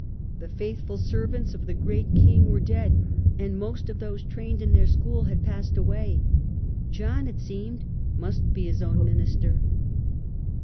The faithful servants of the great king were dead, and most of those trained in their school had passed away. John, it seemed, must be his own minister.